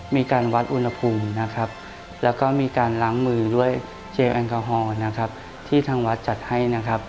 มีการวัดอุณหภูมิและมีการล้างมือด้วยเจลแอลกอฮอล์ที่ทางวัดจัดให้